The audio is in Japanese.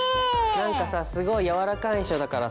何かさすごい柔らかい印象だからさ